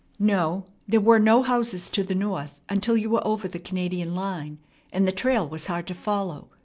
No, there were no houses to the north until you were over the Canadian line, and the trail was hard to follow.